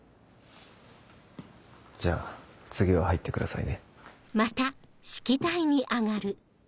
じゃあ次は入ってくださいね。